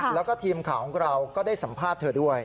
แล้วก็ทีมข่าวของเราก็ได้สัมภาษณ์เธอด้วย